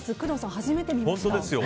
初めて見ました。